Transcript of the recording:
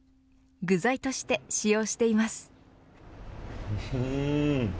具材として使用しています。